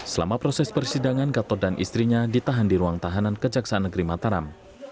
selama proses persidangan gatot dan istrinya ditahan di ruang tahanan kejaksaan negeri mataram